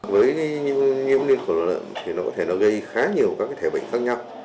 với nhiễm liên cầu lợn nó có thể gây khá nhiều các thể bệnh khác nhau